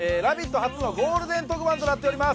初のゴールデン特番となっています。